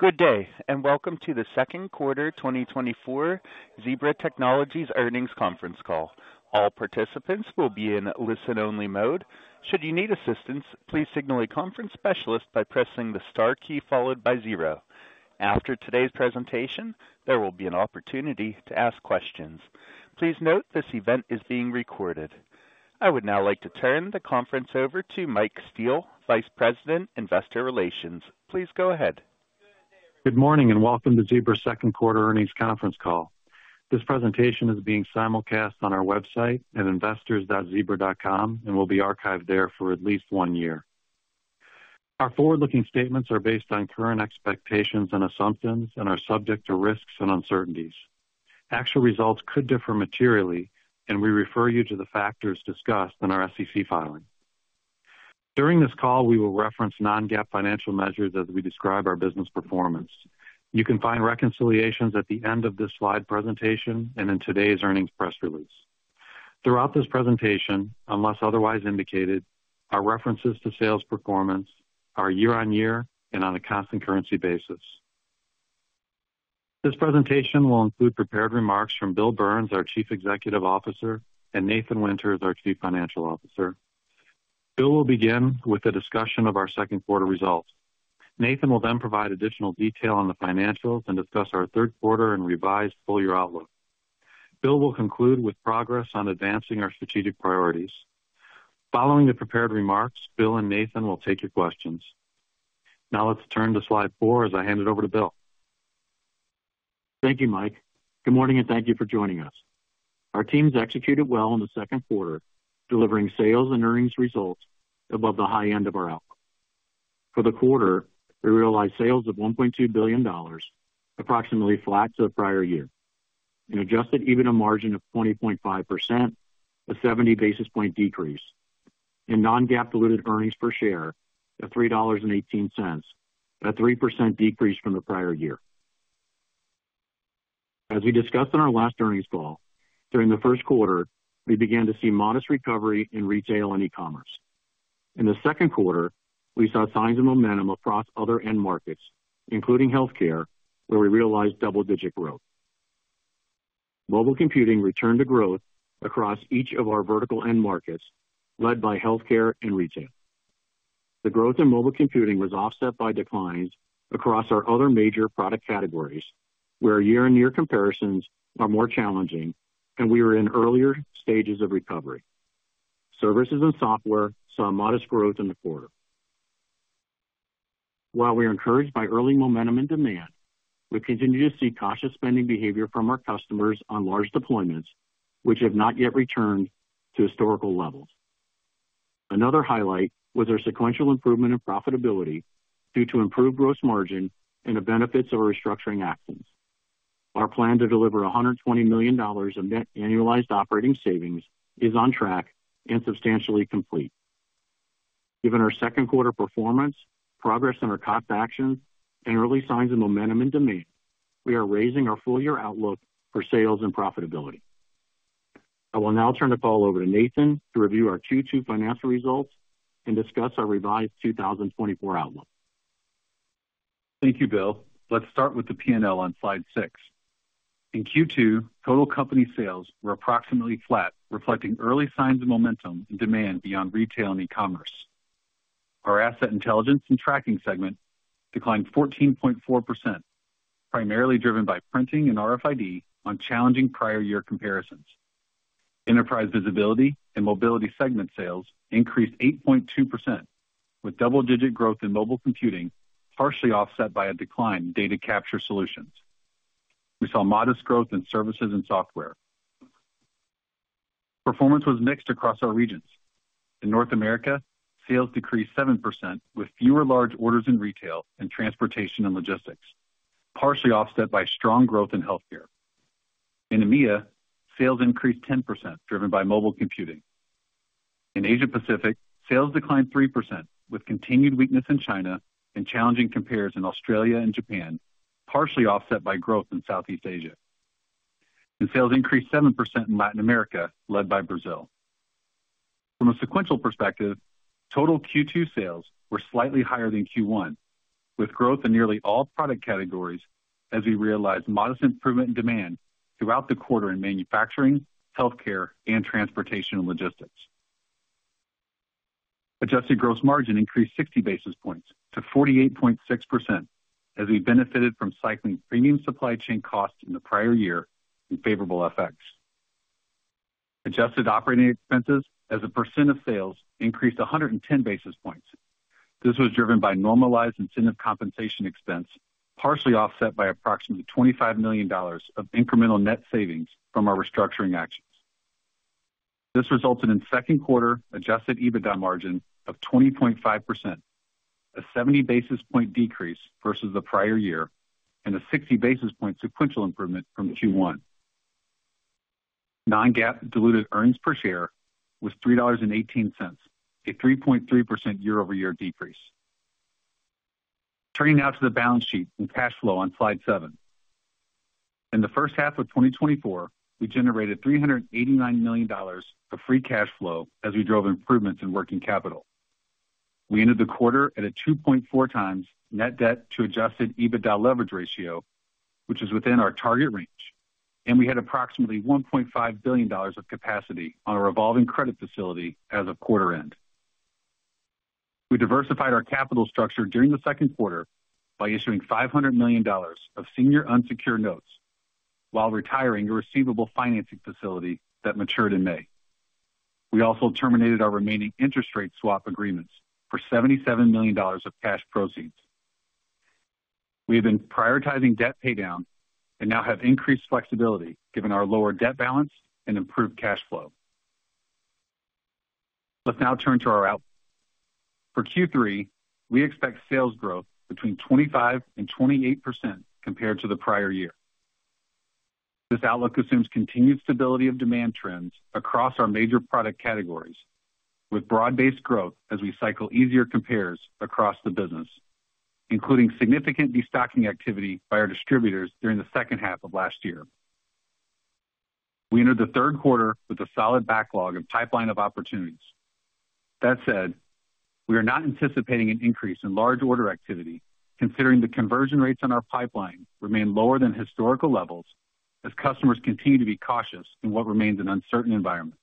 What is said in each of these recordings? Good day, and welcome to the Second Quarter 2024 Zebra Technologies Earnings Conference Call. All participants will be in listen-only mode. Should you need assistance, please signal a conference specialist by pressing the star key followed by zero. After today's presentation, there will be an opportunity to ask questions. Please note this event is being recorded. I would now like to turn the conference over to Mike Steele, Vice President, Investor Relations. Please go ahead. Good morning and welcome to Zebra's second quarter earnings conference call. This presentation is being simulcast on our website at investors.zebra.com and will be archived there for at least one year. Our forward-looking statements are based on current expectations and assumptions and are subject to risks and uncertainties. Actual results could differ materially, and we refer you to the factors discussed in our SEC filing. During this call, we will reference non-GAAP financial measures as we describe our business performance. You can find reconciliations at the end of this slide presentation and in today's earnings press release. Throughout this presentation, unless otherwise indicated, our references to sales performance are year-on-year and on a constant currency basis. This presentation will include prepared remarks from Bill Burns, our Chief Executive Officer, and Nathan Winters, our Chief Financial Officer. Bill will begin with a discussion of our second quarter results. Nathan will then provide additional detail on the financials and discuss our third quarter and revised full-year outlook. Bill will conclude with progress on advancing our strategic priorities. Following the prepared remarks, Bill and Nathan will take your questions. Now let's turn to slide four as I hand it over to Bill. Thank you, Mike. Good morning and thank you for joining us. Our teams executed well in the second quarter, delivering sales and earnings results above the high end of our outlook. For the quarter, we realized sales of $1.2 billion, approximately flat to the prior year, and adjusted EBITDA margin of 20.5%, a 70 basis point decrease, and non-GAAP diluted earnings per share of $3.18, a 3% decrease from the prior year. As we discussed in our last earnings call, during the first quarter, we began to see modest recovery in retail and e-commerce. In the second quarter, we saw signs of momentum across other end markets, including healthcare, where we realized double-digit growth. Mobile computing returned to growth across each of our vertical end markets, led by healthcare and retail. The growth in mobile computing was offset by declines across our other major product categories, where year-on-year comparisons are more challenging, and we were in earlier stages of recovery. Services and software saw modest growth in the quarter. While we are encouraged by early momentum in demand, we continue to see cautious spending behavior from our customers on large deployments, which have not yet returned to historical levels. Another highlight was our sequential improvement in profitability due to improved gross margin and the benefits of our restructuring actions. Our plan to deliver $120 million of net annualized operating savings is on track and substantially complete. Given our second quarter performance, progress in our cost actions, and early signs of momentum in demand, we are raising our full-year outlook for sales and profitability. I will now turn the call over to Nathan to review our Q2 financial results and discuss our revised 2024 outlook. Thank you, Bill. Let's start with the P&L on slide six. In Q2, total company sales were approximately flat, reflecting early signs of momentum in demand beyond retail and e-commerce. Our Asset Intelligence and Tracking segment declined 14.4%, primarily driven by printing and RFID on challenging prior-year comparisons. Enterprise Visibility and Mobility segment sales increased 8.2%, with double-digit growth in mobile computing, partially offset by a decline in data capture solutions. We saw modest growth in services and software. Performance was mixed across our regions. In North America, sales decreased 7%, with fewer large orders in retail and transportation and logistics, partially offset by strong growth in healthcare. In EMEA, sales increased 10%, driven by mobile computing. In Asia-Pacific, sales declined 3%, with continued weakness in China and challenging comparisons in Australia and Japan, partially offset by growth in Southeast Asia. Sales increased 7% in Latin America, led by Brazil. From a sequential perspective, total Q2 sales were slightly higher than Q1, with growth in nearly all product categories as we realized modest improvement in demand throughout the quarter in manufacturing, healthcare, and transportation and logistics. Adjusted gross margin increased 60 basis points to 48.6% as we benefited from cycling premium supply chain costs in the prior year in favorable effects. Adjusted operating expenses as a percent of sales increased 110 basis points. This was driven by normalized incentive compensation expense, partially offset by approximately $25 million of incremental net savings from our restructuring actions. This resulted in second quarter Adjusted EBITDA margin of 20.5%, a 70 basis point decrease versus the prior year, and a 60 basis point sequential improvement from Q1. Non-GAAP diluted earnings per share was $3.18, a 3.3% year-over-year decrease. Turning now to the balance sheet and cash flow on slide seven. In the first half of 2024, we generated $389 million of free cash flow as we drove improvements in working capital. We ended the quarter at a 2.4x net debt to Adjusted EBITDA leverage ratio, which is within our target range, and we had approximately $1.5 billion of capacity on a revolving credit facility as of quarter end. We diversified our capital structure during the second quarter by issuing $500 million of senior unsecured notes while retiring a receivable financing facility that matured in May. We also terminated our remaining interest rate swap agreements for $77 million of cash proceeds. We have been prioritizing debt paydown and now have increased flexibility given our lower debt balance and improved cash flow. Let's now turn to our outlook. For Q3, we expect sales growth between 25% and 28% compared to the prior year. This outlook assumes continued stability of demand trends across our major product categories, with broad-based growth as we cycle easier compares across the business, including significant destocking activity by our distributors during the second half of last year. We entered the third quarter with a solid backlog of pipeline of opportunities. That said, we are not anticipating an increase in large order activity, considering the conversion rates on our pipeline remain lower than historical levels as customers continue to be cautious in what remains an uncertain environment.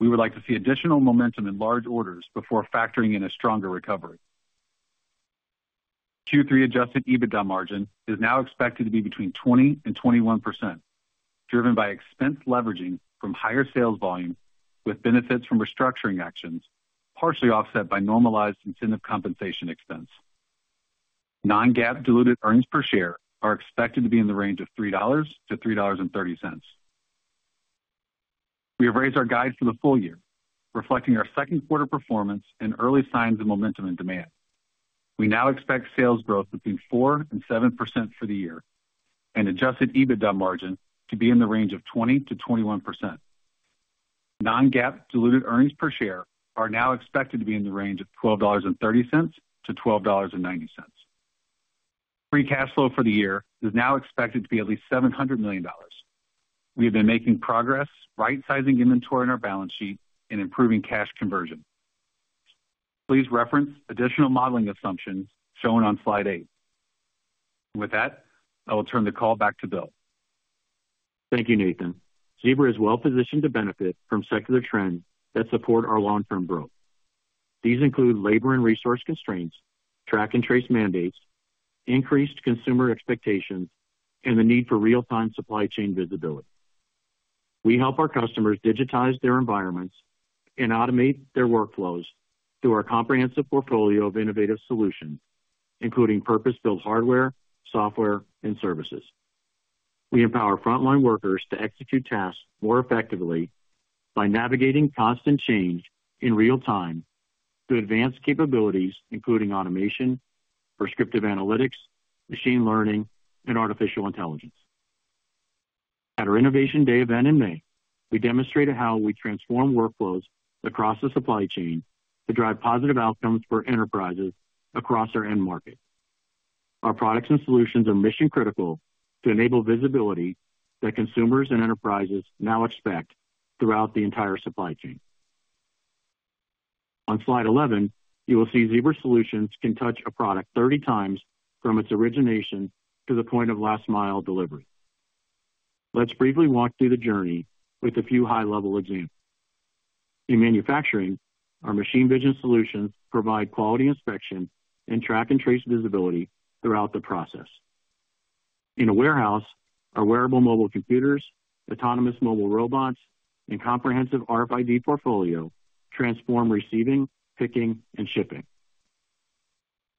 We would like to see additional momentum in large orders before factoring in a stronger recovery. Q3 adjusted EBITDA margin is now expected to be 20% and 21%, driven by expense leveraging from higher sales volume with benefits from restructuring actions, partially offset by normalized incentive compensation expense. Non-GAAP diluted earnings per share are expected to be in the range of $3-$3.30. We have raised our guides for the full year, reflecting our second quarter performance and early signs of momentum in demand. We now expect sales growth between 4% and 7% for the year and adjusted EBITDA margin to be in the range of 20%-21%. Non-GAAP diluted earnings per share are now expected to be in the range of $12.30-$12.90. Free cash flow for the year is now expected to be at least $700 million. We have been making progress, right-sizing inventory in our balance sheet, and improving cash conversion. Please reference additional modeling assumptions shown on slide eight. With that, I will turn the call back to Bill. Thank you, Nathan. Zebra is well positioned to benefit from secular trends that support our long-term growth. These include labor and resource constraints, track and trace mandates, increased consumer expectations, and the need for real-time supply chain visibility. We help our customers digitize their environments and automate their workflows through our comprehensive portfolio of innovative solutions, including purpose-built hardware, software, and services. We empower frontline workers to execute tasks more effectively by navigating constant change in real time to advance capabilities, including automation, prescriptive analytics, machine learning, and artificial intelligence. At our Innovation Day event in May, we demonstrated how we transform workflows across the supply chain to drive positive outcomes for enterprises across our end market. Our products and solutions are mission-critical to enable visibility that consumers and enterprises now expect throughout the entire supply chain. On slide 11, you will see Zebra Solutions can touch a product 30 times from its origination to the point of last-mile delivery. Let's briefly walk through the journey with a few high-level examples. In manufacturing, our machine vision solutions provide quality inspection and track and trace visibility throughout the process. In a warehouse, our wearable mobile computers, autonomous mobile robots, and comprehensive RFID portfolio transform receiving, picking, and shipping.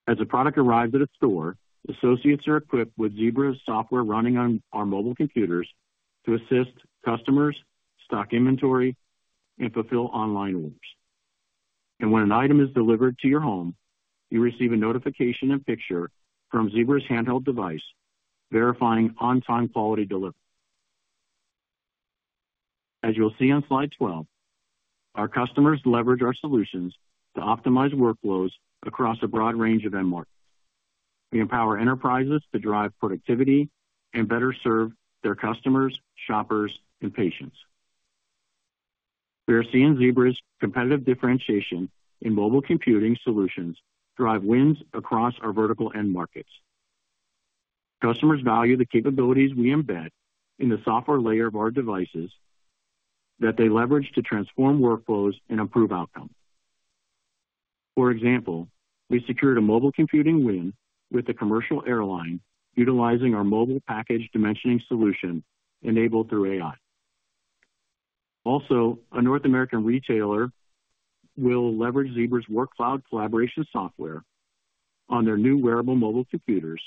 As a product arrives at a store, associates are equipped with Zebra's software running on our mobile computers to assist customers, stock inventory, and fulfill online orders. And when an item is delivered to your home, you receive a notification and picture from Zebra's handheld device, verifying on-time quality delivery. As you'll see on slide 12, our customers leverage our solutions to optimize workflows across a broad range of end markets. We empower enterprises to drive productivity and better serve their customers, shoppers, and patients. We are seeing Zebra's competitive differentiation in mobile computing solutions drive wins across our vertical end markets. Customers value the capabilities we embed in the software layer of our devices that they leverage to transform workflows and improve outcomes. For example, we secured a mobile computing win with a commercial airline utilizing our mobile package dimensioning solution enabled through AI. Also, a North American retailer will leverage Zebra's Workcloud collaboration software on their new wearable mobile computers,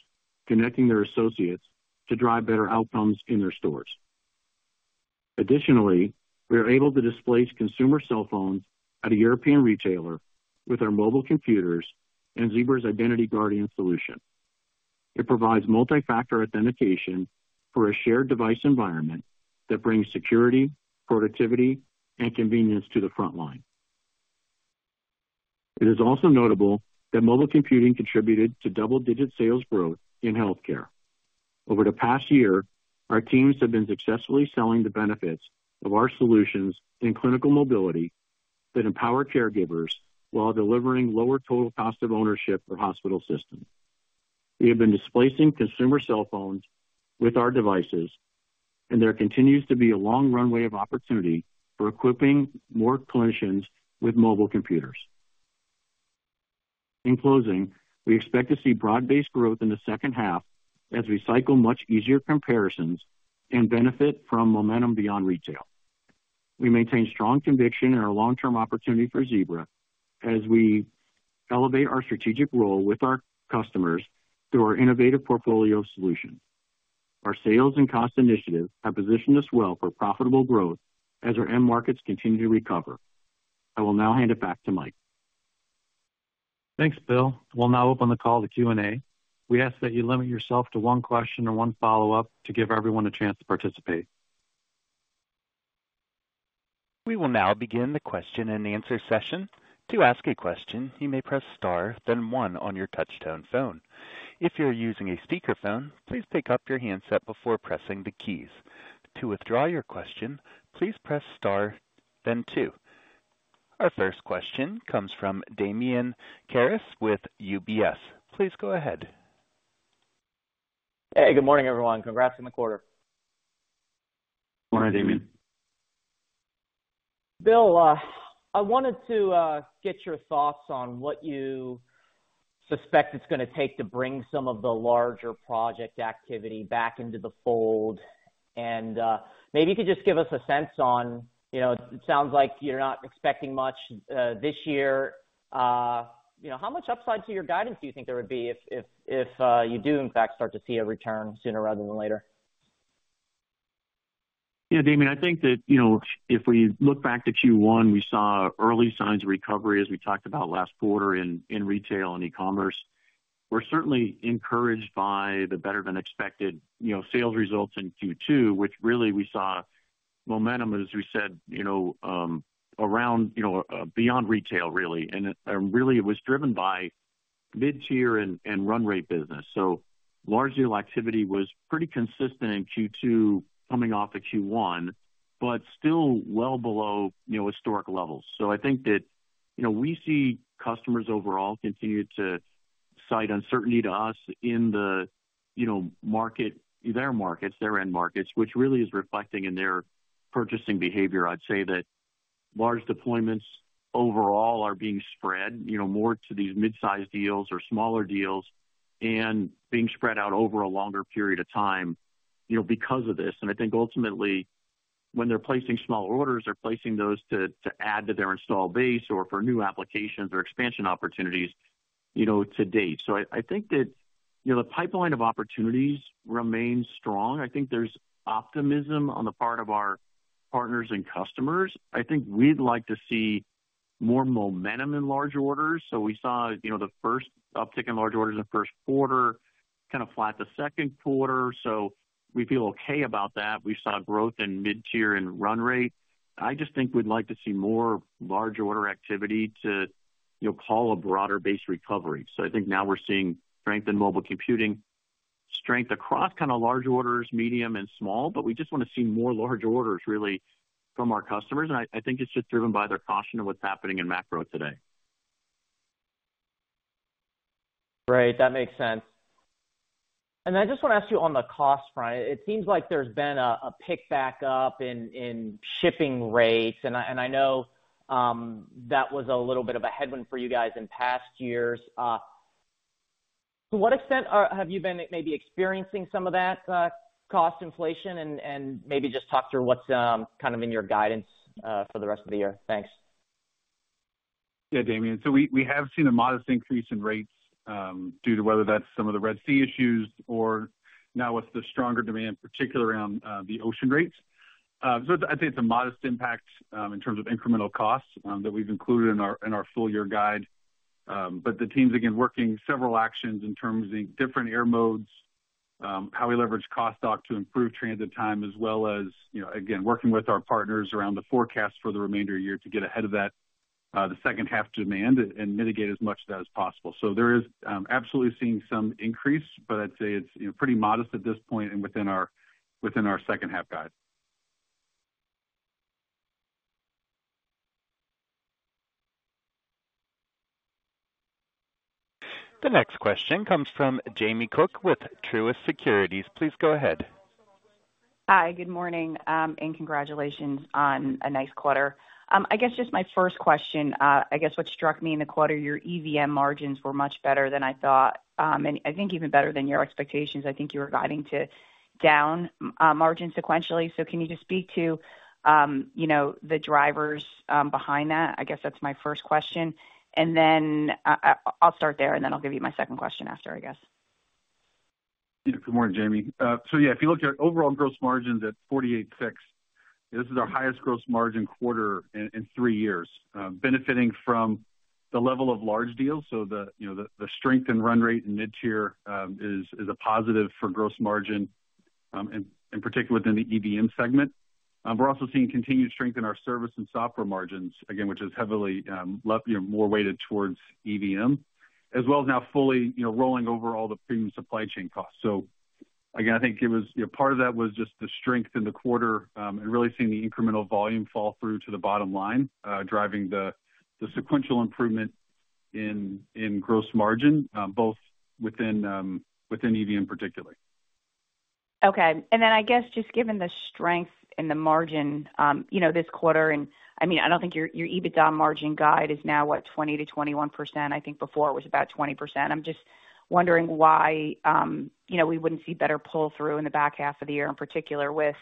connecting their associates to drive better outcomes in their stores. Additionally, we are able to display consumer cell phones at a European retailer with our mobile computers and Zebra's Identity Guardian solution. It provides multi-factor authentication for a shared device environment that brings security, productivity, and convenience to the frontline. It is also notable that mobile computing contributed to double-digit sales growth in healthcare. Over the past year, our teams have been successfully selling the benefits of our solutions in clinical mobility that empower caregivers while delivering lower total cost of ownership for hospital systems. We have been displacing consumer cell phones with our devices, and there continues to be a long runway of opportunity for equipping more clinicians with mobile computers. In closing, we expect to see broad-based growth in the second half as we cycle much easier comparisons and benefit from momentum beyond retail. We maintain strong conviction in our long-term opportunity for Zebra as we elevate our strategic role with our customers through our innovative portfolio solution. Our sales and cost initiatives have positioned us well for profitable growth as our end markets continue to recover. I will now hand it back to Mike. Thanks, Bill. We'll now open the call to Q&A. We ask that you limit yourself to one question or one follow-up to give everyone a chance to participate. We will now begin the question and answer session. To ask a question, you may press star, then one on your touch-tone phone. If you're using a speakerphone, please pick up your handset before pressing the keys. To withdraw your question, please press star, then two. Our first question comes from Damian Karas with UBS. Please go ahead. Hey, good morning, everyone. Congrats on the quarter. Good morning, Damian. Bill, I wanted to get your thoughts on what you suspect it's going to take to bring some of the larger project activity back into the fold. And maybe you could just give us a sense on, you know, it sounds like you're not expecting much this year. You know, how much upside to your guidance do you think there would be if you do, in fact, start to see a return sooner rather than later? Yeah, Damian, I think that, you know, if we look back to Q1, we saw early signs of recovery, as we talked about last quarter, in retail and e-commerce. We're certainly encouraged by the better-than-expected, you know, sales results in Q2, which really we saw momentum, as we said, you know, around, you know, beyond retail, really. And really, it was driven by mid-tier and run rate business. So large deal activity was pretty consistent in Q2 coming off of Q1, but still well below, you know, historic levels. So I think that, you know, we see customers overall continue to cite uncertainty to us in the, you know, market, their markets, their end markets, which really is reflecting in their purchasing behavior. I'd say that large deployments overall are being spread, you know, more to these mid-size deals or smaller deals and being spread out over a longer period of time, you know, because of this. And I think ultimately, when they're placing small orders, they're placing those to add to their installed base or for new applications or expansion opportunities, you know, to date. So I think that, you know, the pipeline of opportunities remains strong. I think there's optimism on the part of our partners and customers. I think we'd like to see more momentum in large orders. So we saw, you know, the first uptick in large orders in the first quarter kind of flat the second quarter. So we feel okay about that. We saw growth in mid-tier and run rate. I just think we'd like to see more large order activity to, you know, call a broader-based recovery. So I think now we're seeing strength in mobile computing, strength across kind of large orders, medium, and small, but we just want to see more large orders really from our customers. And I think it's just driven by their caution of what's happening in macro today. Right. That makes sense. And I just want to ask you on the cost front. It seems like there's been a pickup in shipping rates. And I know that was a little bit of a headwind for you guys in past years. To what extent have you been maybe experiencing some of that cost inflation? And maybe just talk through what's kind of in your guidance for the rest of the year. Thanks. Yeah, Damian. So we have seen a modest increase in rates due to whether that's some of the Red Sea issues or now with the stronger demand, particularly around the ocean rates. So I think it's a modest impact in terms of incremental costs that we've included in our full year guide. But the team's, again, working several actions in terms of different air modes, how we leverage cost-dock to improve transit time, as well as, you know, again, working with our partners around the forecast for the remainder of the year to get ahead of that, the second half demand and mitigate as much of that as possible. So there is absolutely seeing some increase, but I'd say it's, you know, pretty modest at this point and within our second half guide. The next question comes from Jamie Cook with Truist Securities. Please go ahead. Hi, good morning and congratulations on a nice quarter. I guess just my first question, I guess what struck me in the quarter, your EVM margins were much better than I thought, and I think even better than your expectations. I think you were guiding to down margin sequentially. So can you just speak to, you know, the drivers behind that? I guess that's my first question. And then I'll start there, and then I'll give you my second question after, I guess. Yeah, good morning, Jamie. So yeah, if you look at overall gross margins at 48.6%, this is our highest gross margin quarter in three years, benefiting from the level of large deals. So the, you know, the strength and run rate in mid-tier is a positive for gross margin, in particular within the EVM segment. We're also seeing continued strength in our service and software margins, again, which is heavily, you know, more weighted towards EVM, as well as now fully, you know, rolling over all the premium supply chain costs. So again, I think it was, you know, part of that was just the strength in the quarter and really seeing the incremental volume fall through to the bottom line, driving the sequential improvement in gross margin, both within EVM particularly. Okay. Then I guess just given the strength in the margin, you know, this quarter, and I mean, I don't think your EBITDA margin guide is now, what, 20%-21%. I think before it was about 20%. I'm just wondering why, you know, we wouldn't see better pull-through in the back half of the year in particular with,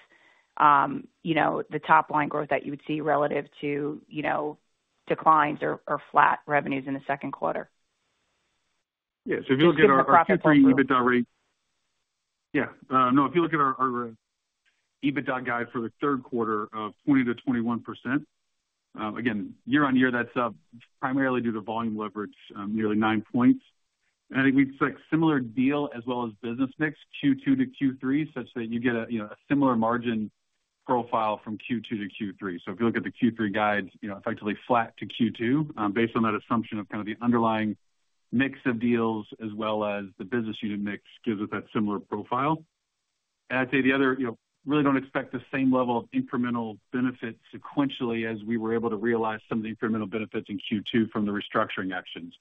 you know, the top line growth that you would see relative to, you know, declines or flat revenues in the second quarter. Yeah. So if you look at our Q3 EBITDA rate, yeah, no, if you look at our EBITDA guide for the third quarter of 20%-21%, again, year-on-year, that's primarily due to volume leverage, nearly 9 points. And I think we expect similar deal as well as business mix Q2 to Q3, such that you get a, you know, a similar margin profile from Q2 to Q3. So if you look at the Q3 guide, you know, effectively flat to Q2 based on that assumption of kind of the underlying mix of deals, as well as the business unit mix gives us that similar profile. And I'd say the other, you know, really don't expect the same level of incremental benefits sequentially as we were able to realize some of the incremental benefits in Q2 from the restructuring actions.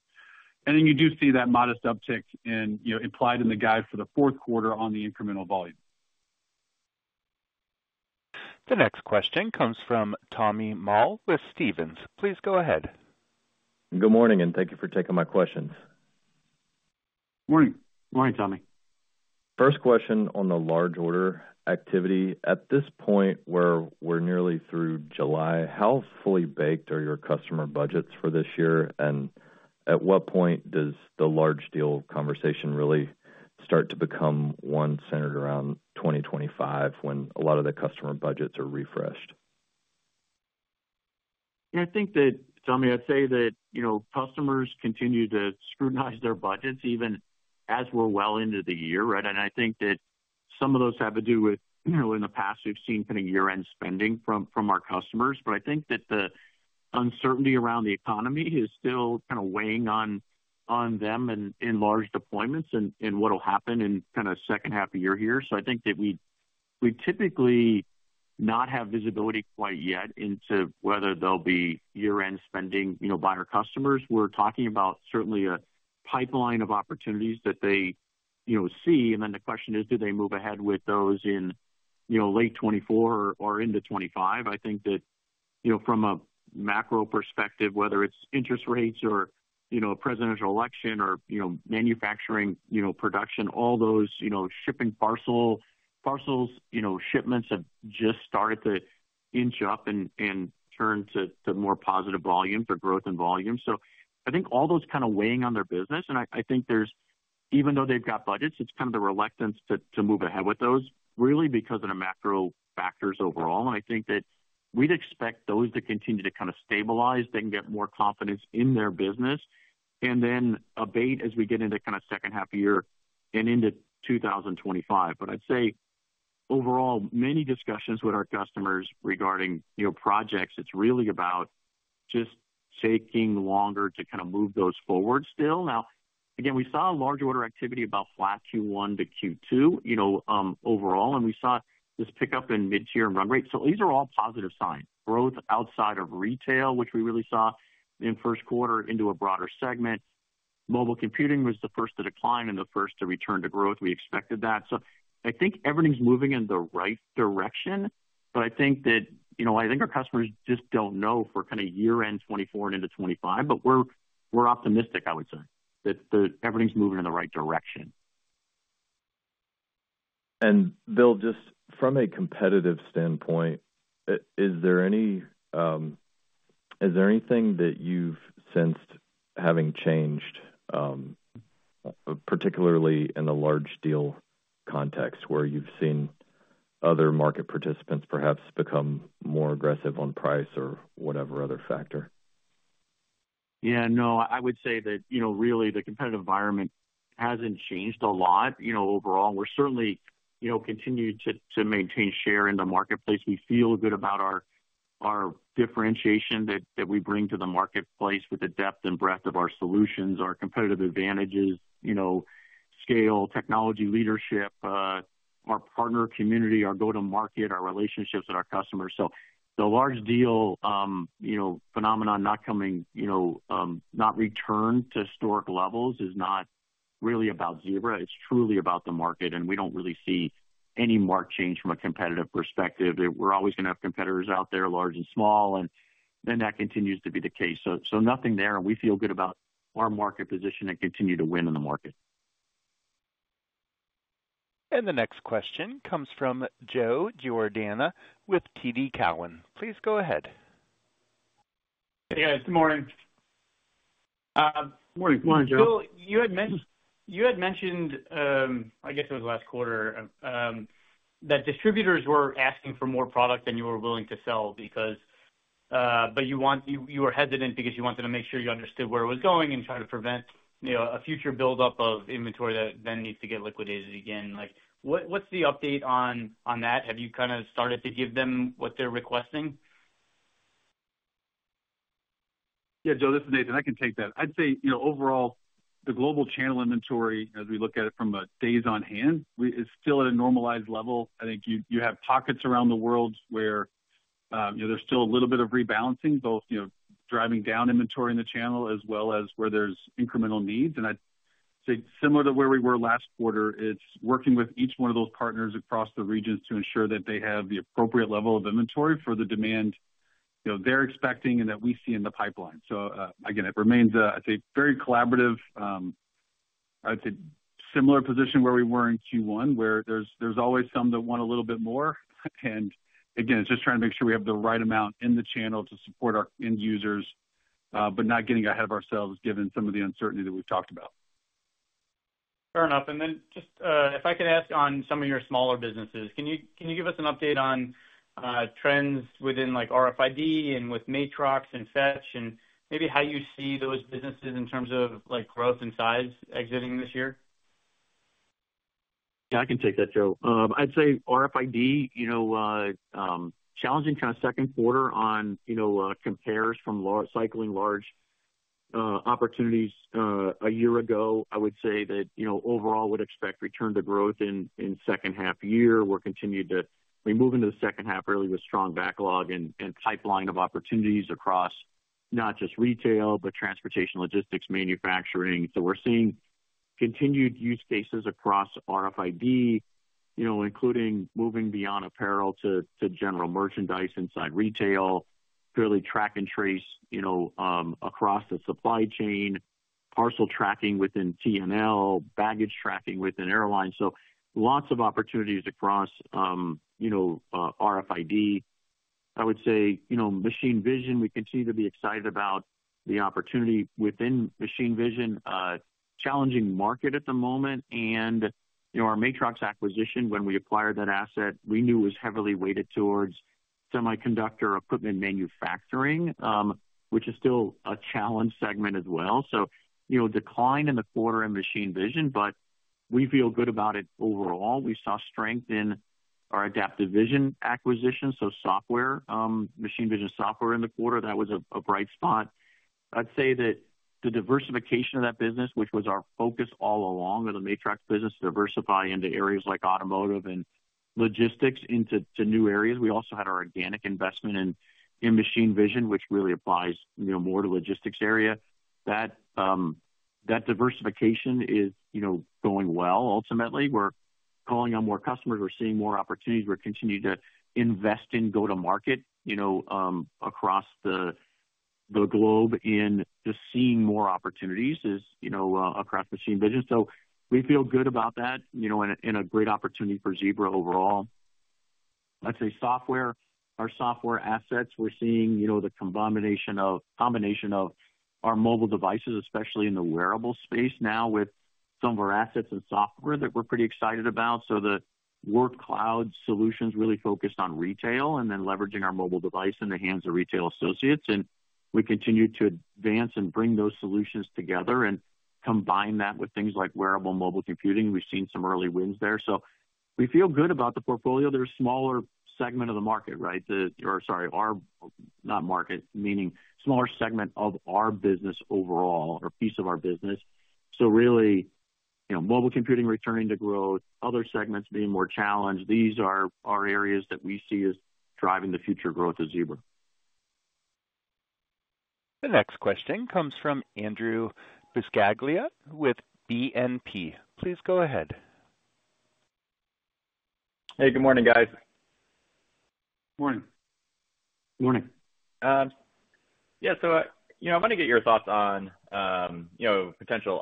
And then you do see that modest uptick in, you know, implied in the guide for the fourth quarter on the incremental volume. The next question comes from Tommy Moll with Stephens. Please go ahead. Good morning and thank you for taking my questions. Morning. Morning, Tommy. First question on the large order activity. At this point where we're nearly through July, how fully baked are your customer budgets for this year? And at what point does the large deal conversation really start to become one centered around 2025 when a lot of the customer budgets are refreshed? Yeah, I think that, Tommy, I'd say that, you know, customers continue to scrutinize their budgets even as we're well into the year, right? And I think that some of those have to do with, you know, in the past, we've seen kind of year-end spending from our customers. But I think that the uncertainty around the economy is still kind of weighing on them and in large deployments and what'll happen in kind of second half of year here. So I think that we typically not have visibility quite yet into whether they'll be year-end spending, you know, by our customers. We're talking about certainly a pipeline of opportunities that they, you know, see. And then the question is, do they move ahead with those in, you know, late 2024 or into 2025? I think that, you know, from a macro perspective, whether it's interest rates or, you know, a presidential election or, you know, manufacturing, you know, production, all those, you know, shipping parcels, you know, shipments have just started to inch up and turn to more positive volume for growth and volume. So I think all those kind of weighing on their business. And I think there's, even though they've got budgets, it's kind of the reluctance to move ahead with those really because of the macro factors overall. And I think that we'd expect those to continue to kind of stabilize as they can get more confidence in their business and then abate as we get into kind of second half of year and into 2025. But I'd say overall, many discussions with our customers regarding, you know, projects, it's really about just taking longer to kind of move those forward still. Now, again, we saw a large order activity about flat Q1 to Q2, you know, overall, and we saw this pickup in mid-tier and run rate. So these are all positive signs. Growth outside of retail, which we really saw in first quarter into a broader segment. Mobile computing was the first to decline and the first to return to growth. We expected that. So I think everything's moving in the right direction. But I think that, you know, I think our customers just don't know for kind of year-end 2024 and into 2025, but we're optimistic, I would say, that everything's moving in the right direction. And Bill, just from a competitive standpoint, is there anything that you've sensed having changed, particularly in the large deal context where you've seen other market participants perhaps become more aggressive on price or whatever other factor? Yeah, no, I would say that, you know, really the competitive environment hasn't changed a lot, you know, overall. We're certainly, you know, continuing to maintain share in the marketplace. We feel good about our differentiation that we bring to the marketplace with the depth and breadth of our solutions, our competitive advantages, you know, scale, technology leadership, our partner community, our go-to-market, our relationships with our customers. So the large deal, you know, phenomenon not coming, you know, not returned to historic levels is not really about Zebra. It's truly about the market. And we don't really see any marked change from a competitive perspective. We're always going to have competitors out there, large and small, and then that continues to be the case. So nothing there. And we feel good about our market position and continue to win in the market. The next question comes from Joe Giordano with TD Cowen. Please go ahead. Yeah, good morning. Morning. Morning, Joe. Bill, you had mentioned, I guess it was last quarter, that distributors were asking for more product than you were willing to sell because, but you want, you were hesitant because you wanted to make sure you understood where it was going and try to prevent, you know, a future buildup of inventory that then needs to get liquidated again. Like, what's the update on that? Have you kind of started to give them what they're requesting? Yeah, Joe, this is Nathan. I can take that. I'd say, you know, overall, the global channel inventory, as we look at it from a days on hand, is still at a normalized level. I think you have pockets around the world where, you know, there's still a little bit of rebalancing, both, you know, driving down inventory in the channel as well as where there's incremental needs. And I'd say similar to where we were last quarter, it's working with each one of those partners across the regions to ensure that they have the appropriate level of inventory for the demand, you know, they're expecting and that we see in the pipeline. So again, it remains, I'd say, very collaborative. I'd say similar position where we were in Q1, where there's always some that want a little bit more. And again, it's just trying to make sure we have the right amount in the channel to support our end users, but not getting ahead of ourselves given some of the uncertainty that we've talked about. Fair enough. And then just if I could ask on some of your smaller businesses, can you give us an update on trends within like RFID and with Matrox and Fetch and maybe how you see those businesses in terms of like growth and size exiting this year? Yeah, I can take that, Joe. I'd say RFID, you know, challenging kind of second quarter on, you know, compares from cycling large opportunities a year ago. I would say that, you know, overall would expect return to growth in second half year. We're continuing to, I mean, moving to the second half early with strong backlog and pipeline of opportunities across not just retail, but transportation, logistics, manufacturing. So we're seeing continued use cases across RFID, you know, including moving beyond apparel to general merchandise inside retail, fairly track and trace, you know, across the supply chain, parcel tracking within T&L, baggage tracking within airlines. So lots of opportunities across, you know, RFID. I would say, you know, machine vision, we continue to be excited about the opportunity within machine vision, challenging market at the moment. And, you know, our Matrox acquisition, when we acquired that asset, we knew was heavily weighted towards semiconductor equipment manufacturing, which is still a challenge segment as well. So, you know, decline in the quarter in machine vision, but we feel good about it overall. We saw strength in our Adaptive Vision acquisition. So software, machine vision software in the quarter, that was a bright spot. I'd say that the diversification of that business, which was our focus all along of the Matrox business, diversify into areas like automotive and logistics into new areas. We also had our organic investment in machine vision, which really applies, you know, more to the logistics area. That diversification is, you know, going well ultimately. We're calling on more customers. We're seeing more opportunities. We're continuing to invest in go-to-market, you know, across the globe in just seeing more opportunities is, you know, across machine vision. So we feel good about that, you know, and a great opportunity for Zebra overall. I'd say software, our software assets, we're seeing, you know, the combination of our mobile devices, especially in the wearable space now with some of our assets and software that we're pretty excited about. So the Workcloud solutions really focused on retail and then leveraging our mobile device in the hands of retail associates. And we continue to advance and bring those solutions together and combine that with things like wearable mobile computing. We've seen some early wins there. So we feel good about the portfolio. There's a smaller segment of the market, right? Or sorry, our not market, meaning smaller segment of our business overall or piece of our business. So really, you know, mobile computing returning to growth, other segments being more challenged. These are our areas that we see as driving the future growth of Zebra. The next question comes from Andrew Buscaglia with BNP. Please go ahead. Hey, good morning, guys. Morning. Good morning. Yeah, so, you know, I want to get your thoughts on, you know, potential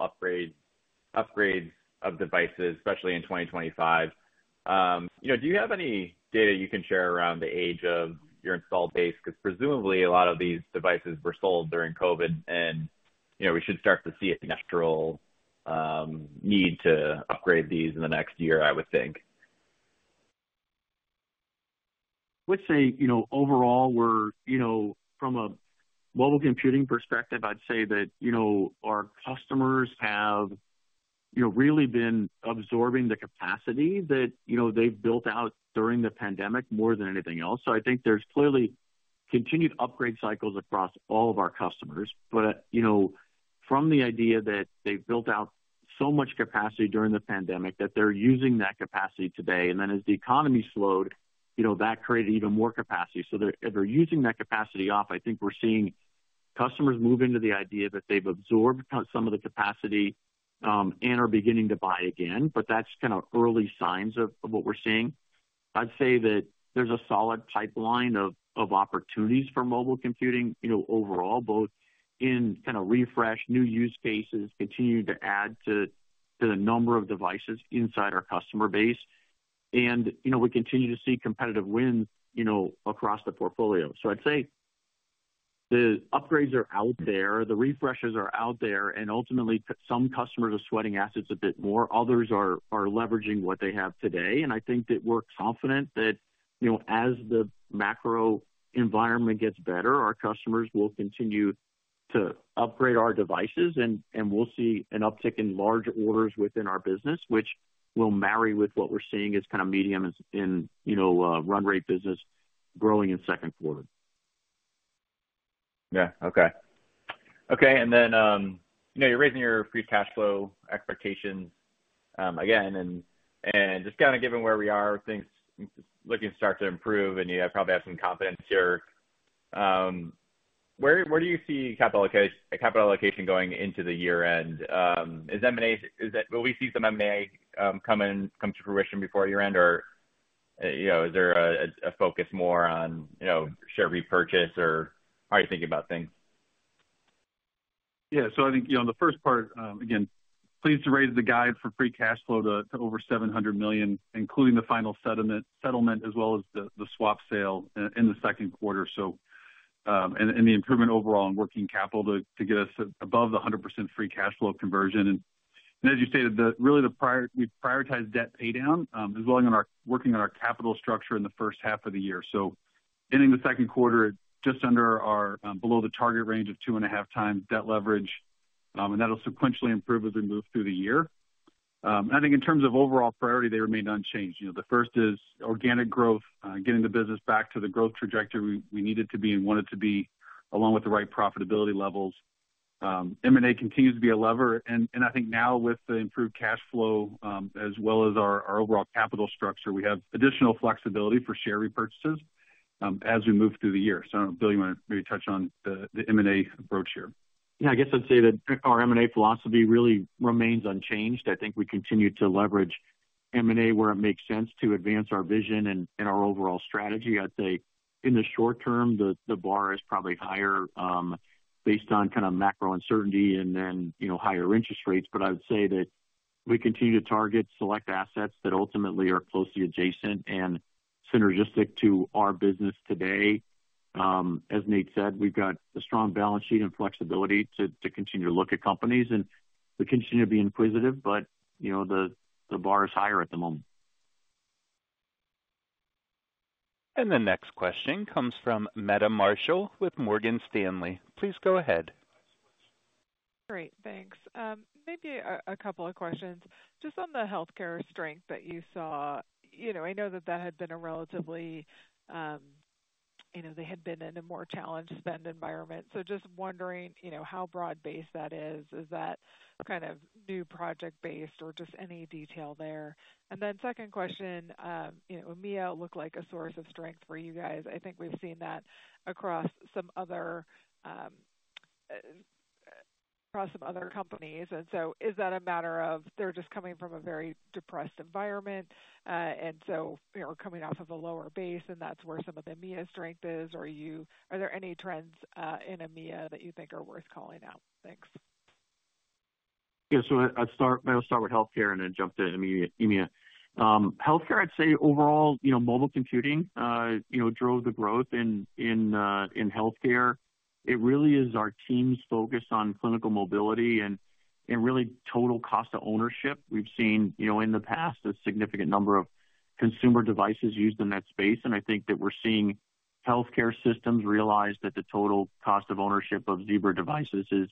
upgrades of devices, especially in 2025. You know, do you have any data you can share around the age of your installed base? Because presumably a lot of these devices were sold during COVID and, you know, we should start to see a natural need to upgrade these in the next year, I would think. I would say, you know, overall, we're, you know, from a mobile computing perspective, I'd say that, you know, our customers have, you know, really been absorbing the capacity that, you know, they've built out during the pandemic more than anything else. So I think there's clearly continued upgrade cycles across all of our customers. But, you know, from the idea that they've built out so much capacity during the pandemic that they're using that capacity today. And then as the economy slowed, you know, that created even more capacity. So they're using that capacity off. I think we're seeing customers move into the idea that they've absorbed some of the capacity and are beginning to buy again. But that's kind of early signs of what we're seeing. I'd say that there's a solid pipeline of opportunities for mobile computing, you know, overall, both in kind of refresh, new use cases, continuing to add to the number of devices inside our customer base. And, you know, we continue to see competitive wins, you know, across the portfolio. So I'd say the upgrades are out there. The refreshes are out there. And ultimately, some customers are sweating assets a bit more. Others are leveraging what they have today. And I think that we're confident that, you know, as the macro environment gets better, our customers will continue to upgrade our devices. And we'll see an uptick in large orders within our business, which will marry with what we're seeing as kind of medium in, you know, run rate business growing in second quarter. Yeah. Okay. Okay. And then, you know, you're raising your free cash flow expectations again. And just kind of given where we are, things looking to start to improve. And you probably have some confidence here. Where do you see capital allocation going into the year-end? Is that what we see some M&A come to fruition before year-end? Or, you know, is there a focus more on, you know, share repurchase? Or how are you thinking about things? Yeah. So I think, you know, in the first part, again, please raise the guide for free cash flow to over $700 million, including the final settlement as well as the swap sale in the second quarter. So and the improvement overall in working capital to get us above the 100% free cash flow conversion. And as you stated, really the prior we prioritize debt paydown as well as working on our capital structure in the first half of the year. So ending the second quarter just under our below the target range of 2.5x debt leverage. And that'll sequentially improve as we move through the year. I think in terms of overall priority, they remained unchanged. You know, the first is organic growth, getting the business back to the growth trajectory we needed to be and wanted to be along with the right profitability levels. M&A continues to be a lever. I think now with the improved cash flow as well as our overall capital structure, we have additional flexibility for share repurchases as we move through the year. Bill, you want to maybe touch on the M&A approach here? Yeah, I guess I'd say that our M&A philosophy really remains unchanged. I think we continue to leverage M&A where it makes sense to advance our vision and our overall strategy. I'd say in the short term, the bar is probably higher based on kind of macro uncertainty and then, you know, higher interest rates. But I would say that we continue to target select assets that ultimately are closely adjacent and synergistic to our business today. As Nate said, we've got a strong balance sheet and flexibility to continue to look at companies. And we continue to be inquisitive. But, you know, the bar is higher at the moment. The next question comes from Meta Marshall with Morgan Stanley. Please go ahead. All right. Thanks. Maybe a couple of questions. Just on the healthcare strength that you saw, you know, I know that that had been a relatively, you know, they had been in a more challenged spend environment. So just wondering, you know, how broad-based that is. Is that kind of new project-based or just any detail there? And then second question, you know, EMEA looked like a source of strength for you guys. I think we've seen that across some other companies. And so is that a matter of they're just coming from a very depressed environment? And so they're coming off of a lower base. And that's where some of the EMEA strength is. Or are there any trends in EMEA that you think are worth calling out? Thanks. Yeah. So I'll start with healthcare and then jump to EMEA. Healthcare, I'd say overall, you know, mobile computing, you know, drove the growth in healthcare. It really is our team's focus on clinical mobility and really total cost of ownership. We've seen, you know, in the past, a significant number of consumer devices used in that space. And I think that we're seeing healthcare systems realize that the total cost of ownership of Zebra devices is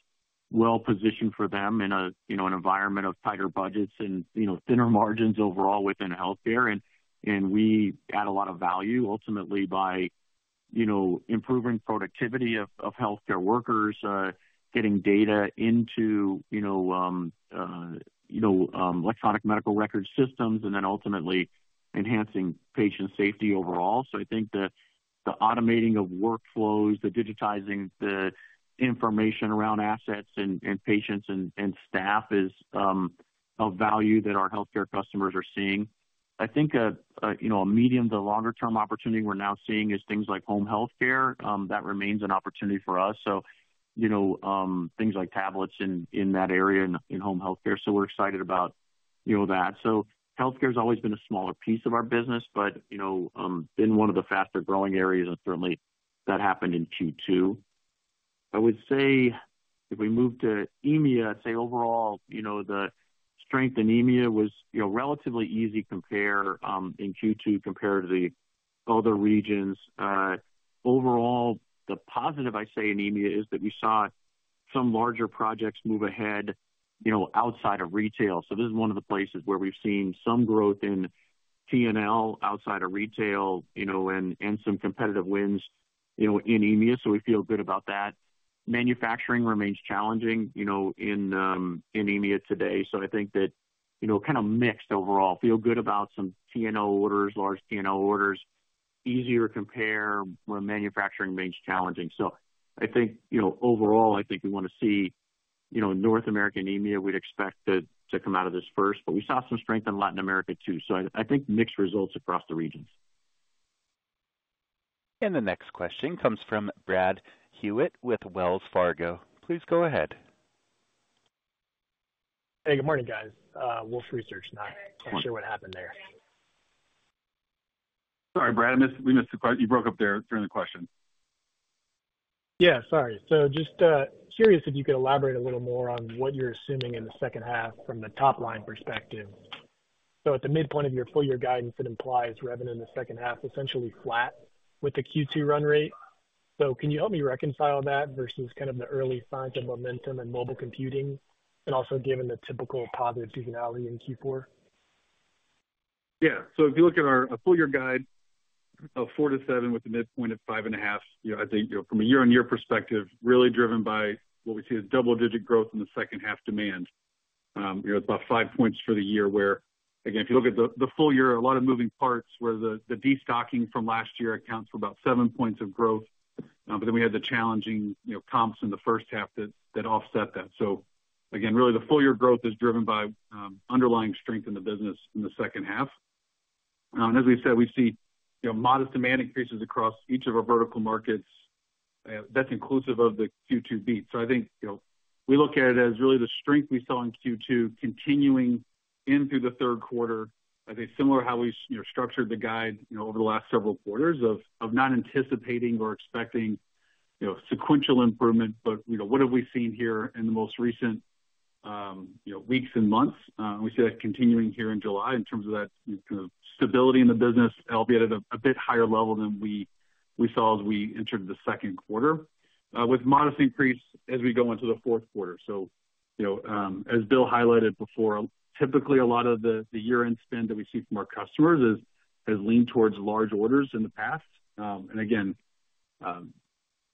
well-positioned for them in an environment of tighter budgets and, you know, thinner margins overall within healthcare. And we add a lot of value ultimately by, you know, improving productivity of healthcare workers, getting data into, you know, electronic medical record systems, and then ultimately enhancing patient safety overall. So I think the automating of workflows, the digitizing the information around assets and patients and staff is of value that our healthcare customers are seeing. I think, you know, a medium to longer-term opportunity we're now seeing is things like home healthcare that remains an opportunity for us. So, you know, things like tablets in that area in home healthcare. So we're excited about, you know, that. So healthcare has always been a smaller piece of our business, but, you know, been one of the faster growing areas. And certainly that happened in Q2. I would say if we move to EMEA, I'd say overall, you know, the strength in EMEA was, you know, relatively easy compare in Q2 compared to the other regions. Overall, the positive I'd say in EMEA is that we saw some larger projects move ahead, you know, outside of retail. So this is one of the places where we've seen some growth in T&L outside of retail, you know, and some competitive wins, you know, in EMEA. So we feel good about that. Manufacturing remains challenging, you know, in EMEA today. So I think that, you know, kind of mixed overall. Feel good about some T&L orders, large T&L orders, easier to compare when manufacturing remains challenging. So I think, you know, overall, I think we want to see, you know, North America and EMEA, we'd expect to come out of this first. But we saw some strength in Latin America too. So I think mixed results across the regions. The next question comes from Brad Hewitt with Wells Fargo. Please go ahead. Hey, good morning, guys. Wolfe Research, not sure what happened there. Sorry, Brad. We missed the question. You broke up during the question. Yeah, sorry. So just curious if you could elaborate a little more on what you're assuming in the second half from the top line perspective. So at the midpoint of your full year guidance, it implies revenue in the second half essentially flat with the Q2 run rate. So can you help me reconcile that versus kind of the early signs of momentum in mobile computing and also given the typical positive seasonality in Q4? Yeah. So if you look at our full year guide, 4%-7% with a midpoint of 5.5%, you know, I think, you know, from a year-over-year perspective, really driven by what we see as double-digit growth in the second half demand. You know, it's about 5 points for the year where, again, if you look at the full year, a lot of moving parts where the destocking from last year accounts for about 7 points of growth. But then we had the challenging, you know, comps in the first half that offset that. So again, really the full year growth is driven by underlying strength in the business in the second half. And as we said, we see, you know, modest demand increases across each of our vertical markets. That's inclusive of the Q2 beat. So I think, you know, we look at it as really the strength we saw in Q2 continuing into the third quarter. I think similar to how we, you know, structured the guide, you know, over the last several quarters of not anticipating or expecting, you know, sequential improvement. But, you know, what have we seen here in the most recent, you know, weeks and months? We see that continuing here in July in terms of that kind of stability in the business, albeit at a bit higher level than we saw as we entered the second quarter with modest increase as we go into the fourth quarter. So, you know, as Bill highlighted before, typically a lot of the year-end spend that we see from our customers has leaned towards large orders in the past. And again,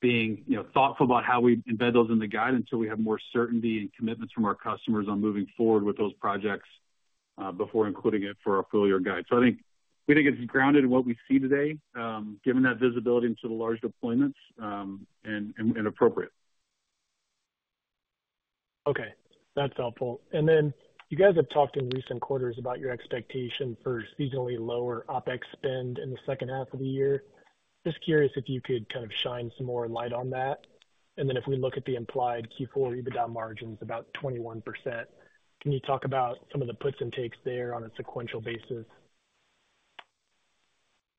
being, you know, thoughtful about how we embed those in the guide until we have more certainty and commitments from our customers on moving forward with those projects before including it for our full year guide. So I think we think it's grounded in what we see today, given that visibility into the large deployments and appropriate. Okay. That's helpful. And then you guys have talked in recent quarters about your expectation for seasonally lower OpEx spend in the second half of the year. Just curious if you could kind of shine some more light on that. And then if we look at the implied Q4 EBITDA margins, about 21%. Can you talk about some of the puts and takes there on a sequential basis?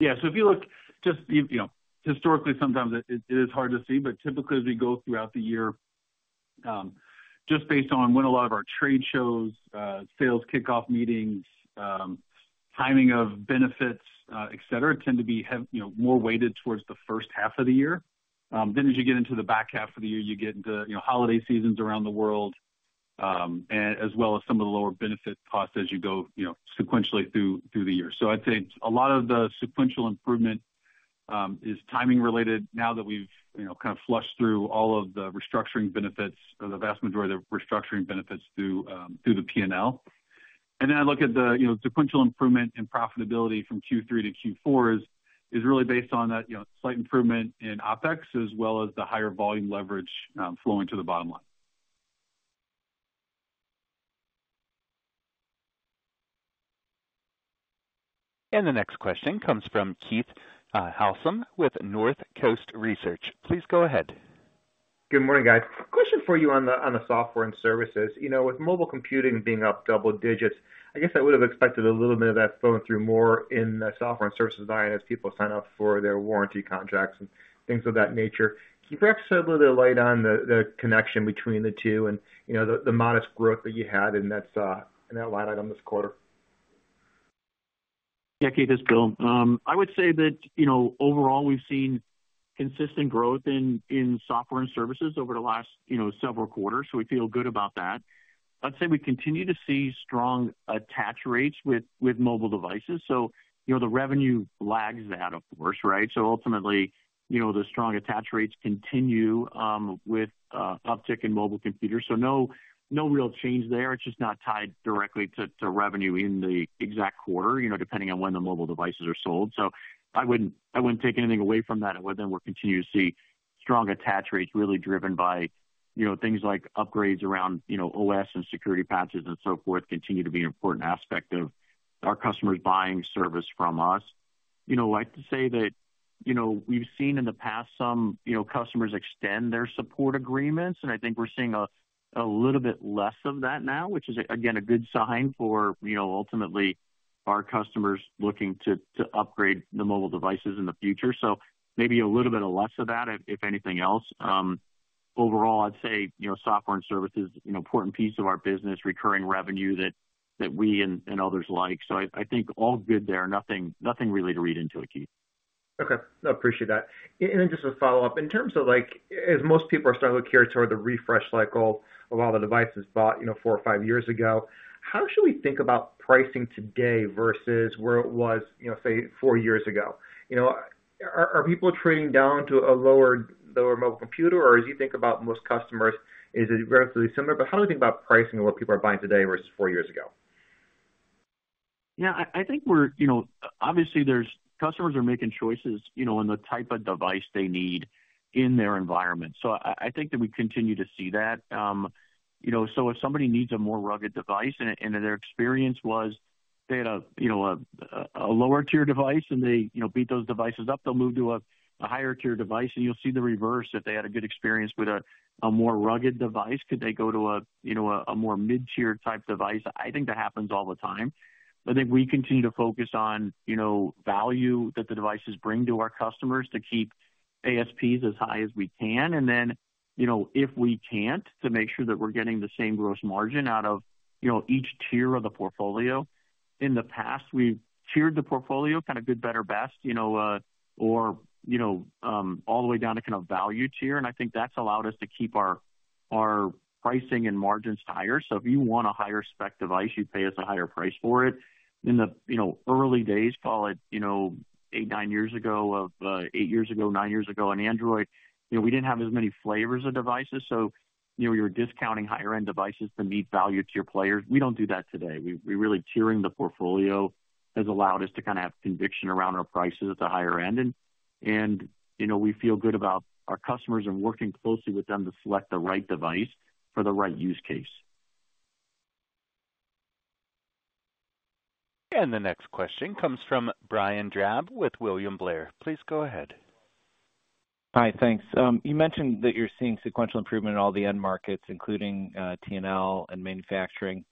Yeah. So if you look just, you know, historically, sometimes it is hard to see. But typically, as we go throughout the year, just based on when a lot of our trade shows, sales kickoff meetings, timing of benefits, et cetera, tend to be, you know, more weighted towards the first half of the year. Then as you get into the back half of the year, you get into, you know, holiday seasons around the world as well as some of the lower benefit costs as you go, you know, sequentially through the year. So I'd say a lot of the sequential improvement is timing related now that we've, you know, kind of flushed through all of the restructuring benefits or the vast majority of the restructuring benefits through the P&L. And then I look at the, you know, sequential improvement in profitability from Q3 to Q4 is really based on that, you know, slight improvement in OpEx as well as the higher volume leverage flowing to the bottom line. The next question comes from Keith Housum with Northcoast Research. Please go ahead. Good morning, guys. Question for you on the software and services. You know, with mobile computing being up double digits, I guess I would have expected a little bit of that flowing through more in the software and services line as people sign up for their warranty contracts and things of that nature. Can you perhaps shed a little bit of light on the connection between the two and, you know, the modest growth that you had in that line item this quarter? Yeah, Keith, it's Bill. I would say that, you know, overall, we've seen consistent growth in software and services over the last, you know, several quarters. So we feel good about that. I'd say we continue to see strong attach rates with mobile devices. So, you know, the revenue lags that, of course, right? So ultimately, you know, the strong attach rates continue with uptick in mobile computers. So no real change there. It's just not tied directly to revenue in the exact quarter, you know, depending on when the mobile devices are sold. So I wouldn't take anything away from that. And then we'll continue to see strong attach rates really driven by, you know, things like upgrades around, you know, OS and security patches and so forth continue to be an important aspect of our customers buying service from us. You know, I'd say that, you know, we've seen in the past some, you know, customers extend their support agreements. And I think we're seeing a little bit less of that now, which is, again, a good sign for, you know, ultimately our customers looking to upgrade the mobile devices in the future. So maybe a little bit of less of that, if anything else. Overall, I'd say, you know, software and services, you know, important piece of our business, recurring revenue that we and others like. So I think all good there. Nothing really to read into it, Keith. Okay. I appreciate that. And then just to follow up, in terms of, like, as most people are starting to look here toward the refresh cycle of all the devices bought, you know, four or five years ago, how should we think about pricing today versus where it was, you know, say, four years ago? You know, are people trading down to a lower mobile computer? Or as you think about most customers, is it relatively similar? But how do you think about pricing of what people are buying today versus four years ago? Yeah. I think we're, you know, obviously our customers are making choices, you know, in the type of device they need in their environment. So I think that we continue to see that. You know, so if somebody needs a more rugged device and their experience was they had a, you know, a lower-tier device and they, you know, beat those devices up, they'll move to a higher-tier device. And you'll see the reverse if they had a good experience with a more rugged device. Could they go to a, you know, a more mid-tier type device? I think that happens all the time. I think we continue to focus on, you know, value that the devices bring to our customers to keep ASPs as high as we can. Then, you know, if we can't, to make sure that we're getting the same gross margin out of, you know, each tier of the portfolio. In the past, we've tiered the portfolio kind of good, better, best, you know, or, you know, all the way down to kind of value tier. And I think that's allowed us to keep our pricing and margins higher. So if you want a higher spec device, you pay us a higher price for it. In the, you know, early days, call it, you know, 8, 9 years ago of 8 years ago, 9 years ago on Android, you know, we didn't have as many flavors of devices. So, you know, you're discounting higher-end devices to meet value tier players. We don't do that today. Tiering the portfolio has allowed us to kind of have conviction around our prices at the higher end. You know, we feel good about our customers and working closely with them to select the right device for the right use case. The next question comes from Brian Drab with William Blair. Please go ahead. Hi, thanks. You mentioned that you're seeing sequential improvement in all the end markets, including T&L and manufacturing.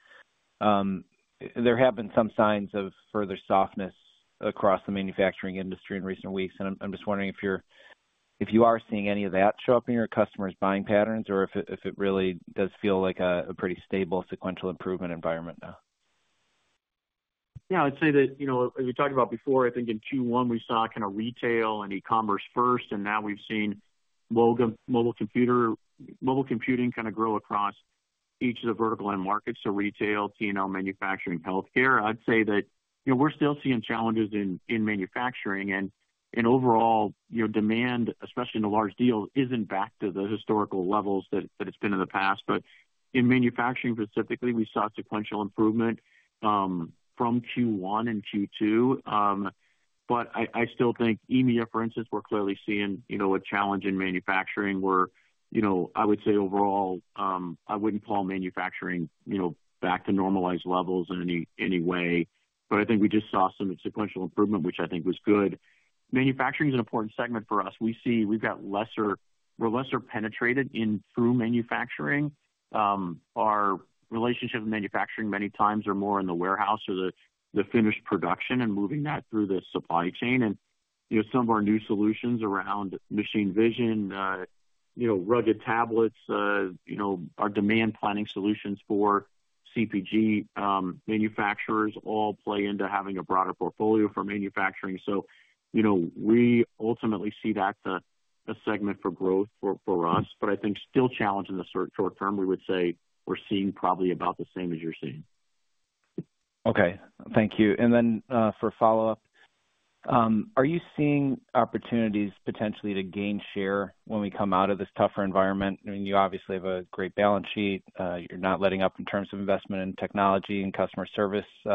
There have been some signs of further softness across the manufacturing industry in recent weeks. I'm just wondering if you are seeing any of that show up in your customers' buying patterns or if it really does feel like a pretty stable sequential improvement environment now? Yeah. I'd say that, you know, as we talked about before, I think in Q1 we saw kind of retail and e-commerce first. And now we've seen mobile computing kind of grow across each of the vertical end markets. So retail, T&L, manufacturing, healthcare. I'd say that, you know, we're still seeing challenges in manufacturing. And overall, you know, demand, especially in the large deals, isn't back to the historical levels that it's been in the past. But in manufacturing specifically, we saw sequential improvement from Q1 and Q2. But I still think EMEA, for instance, we're clearly seeing, you know, a challenge in manufacturing where, you know, I would say overall, I wouldn't call manufacturing, you know, back to normalized levels in any way. But I think we just saw some sequential improvement, which I think was good. Manufacturing is an important segment for us. We see we've got less. We're less penetrated in through manufacturing. Our relationship with manufacturing many times are more in the warehouse or the finished production and moving that through the supply chain. And, you know, some of our new solutions around machine vision, you know, rugged tablets, you know, our demand planning solutions for CPG manufacturers all play into having a broader portfolio for manufacturing. So, you know, we ultimately see that's a segment for growth for us. But I think still challenged in the short term, we would say we're seeing probably about the same as you're seeing. Okay. Thank you. And then for follow-up, are you seeing opportunities potentially to gain share when we come out of this tougher environment? I mean, you obviously have a great balance sheet. You're not letting up in terms of investment in technology and customer service. You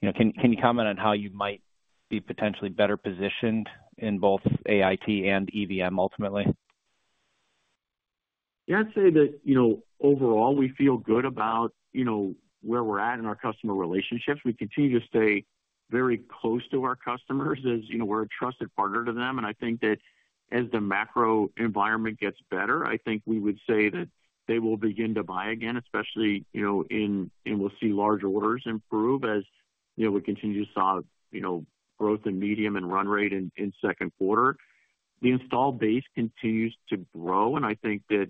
know, can you comment on how you might be potentially better positioned in both AIT and EVM ultimately? Yeah. I'd say that, you know, overall, we feel good about, you know, where we're at in our customer relationships. We continue to stay very close to our customers as, you know, we're a trusted partner to them. And I think that as the macro environment gets better, I think we would say that they will begin to buy again, especially, you know, in and we'll see large orders improve as, you know, we continue to see, you know, growth in medium and run rate in second quarter. The install base continues to grow. And I think that,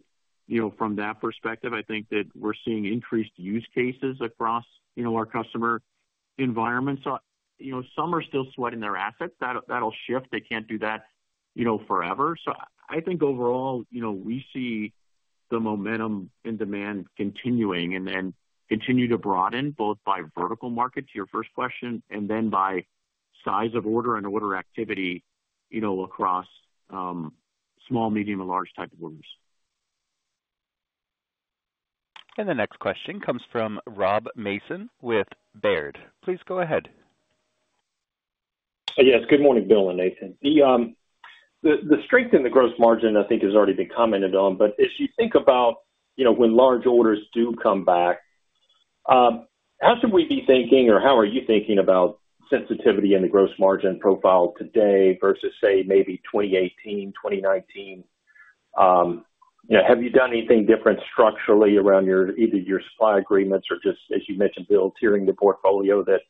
you know, from that perspective, I think that we're seeing increased use cases across, you know, our customer environments. So, you know, some are still sweating their assets. That'll shift. They can't do that, you know, forever. I think overall, you know, we see the momentum in demand continuing and continue to broaden both by vertical markets, your first question, and then by size of order and order activity, you know, across small, medium, and large type of orders. The next question comes from Rob Mason with Baird. Please go ahead. Yes. Good morning, Bill and Nathan. The strength in the gross margin, I think, has already been commented on. But as you think about, you know, when large orders do come back, how should we be thinking or how are you thinking about sensitivity in the gross margin profile today versus, say, maybe 2018, 2019? You know, have you done anything different structurally around either your supply agreements or just, as you mentioned, Bill, tiering the portfolio that,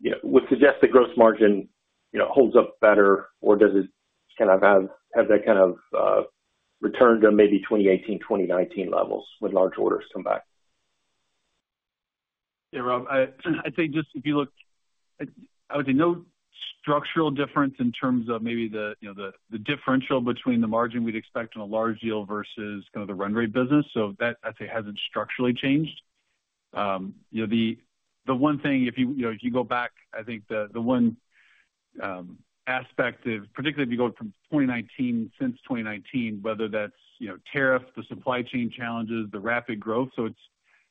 you know, would suggest the gross margin, you know, holds up better? Or does it kind of have that kind of return to maybe 2018, 2019 levels when large orders come back? Yeah, Rob, I think just if you look, I would say no structural difference in terms of maybe the, you know, the differential between the margin we'd expect on a large deal versus kind of the run rate business. So that, I'd say, hasn't structurally changed. You know, the one thing, if you, you know, if you go back, I think the one aspect is, particularly if you go from 2019, since 2019, whether that's, you know, tariffs, the supply chain challenges, the rapid growth. So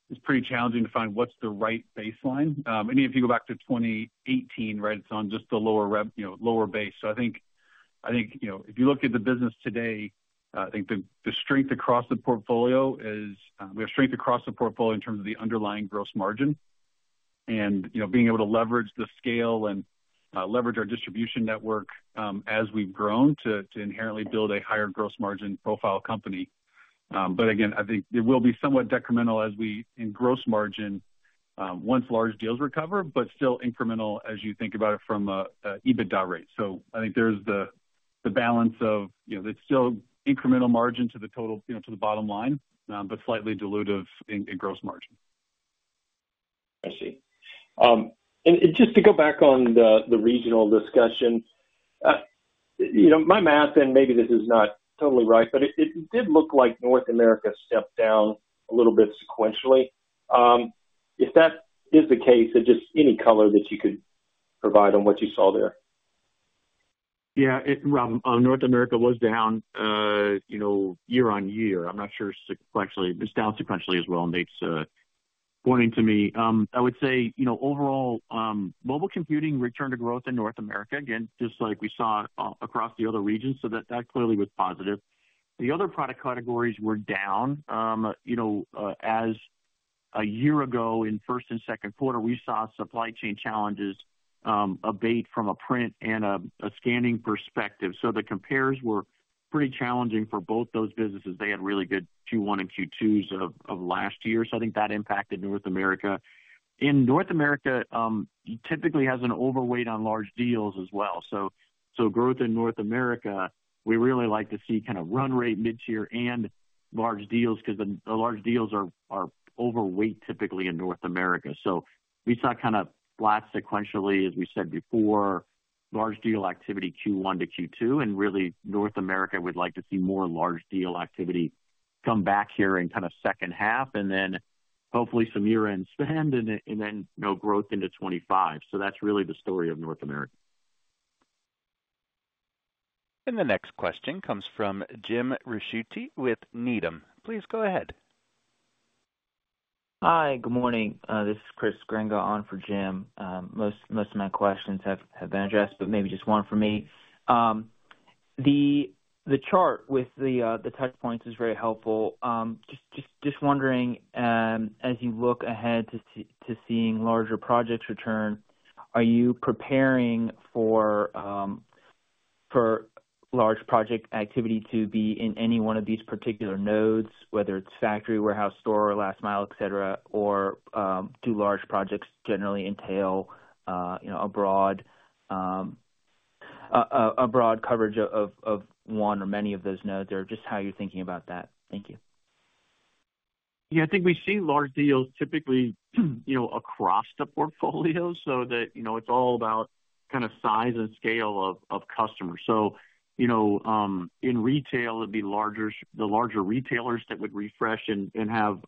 it's pretty challenging to find what's the right baseline. And if you go back to 2018, right, it's on just the lower, you know, lower base. So I think, I think, you know, if you look at the business today, I think the strength across the portfolio is we have strength across the portfolio in terms of the underlying gross margin. And, you know, being able to leverage the scale and leverage our distribution network as we've grown to inherently build a higher gross margin profile company. But again, I think it will be somewhat detrimental as we see in gross margin once large deals recover, but still incremental as you think about it from an EBITDA rate. So I think there's the balance of, you know, it's still incremental margin to the total, you know, to the bottom line, but slightly dilutive in gross margin. I see. Just to go back on the regional discussion, you know, my math, and maybe this is not totally right, but it did look like North America stepped down a little bit sequentially. If that is the case, just any color that you could provide on what you saw there? Yeah. Rob, North America was down, you know, year-over-year. I'm not sure it's actually down sequentially as well. Nate's pointing to me. I would say, you know, overall, mobile computing returned to growth in North America, again, just like we saw across the other regions. So that clearly was positive. The other product categories were down. You know, as a year ago in first and second quarter, we saw supply chain challenges abate from a printing and scanning perspective. So the compares were pretty challenging for both those businesses. They had really good Q1 and Q2s of last year. So I think that impacted North America. In North America, typically has an overweight on large deals as well. So growth in North America, we really like to see kind of run rate, mid-tier, and large deals because the large deals are overweight typically in North America. So we saw kind of flat sequentially, as we said before, large deal activity Q1 to Q2. And really, North America would like to see more large deal activity come back here in kind of second half and then hopefully some year-end spend and then growth into 2025. So that's really the story of North America. And the next question comes from Jim Ricchiuti with Needham. Please go ahead. Hi. Good morning. This is Chris Grenga on for Jim. Most of my questions have been addressed, but maybe just one for me. The chart with the touch points is very helpful. Just wondering, as you look ahead to seeing larger projects return, are you preparing for large project activity to be in any one of these particular nodes, whether it's factory, warehouse, store, or last mile, etc., or do large projects generally entail, you know, a broad coverage of one or many of those nodes or just how you're thinking about that? Thank you. Yeah. I think we see large deals typically, you know, across the portfolio so that, you know, it's all about kind of size and scale of customers. So, you know, in retail, it'd be the larger retailers that would refresh and have